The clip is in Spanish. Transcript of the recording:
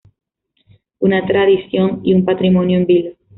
Una tradición y un patrimonio en vilo.